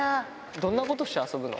どんなことして遊ぶの。